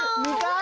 あ！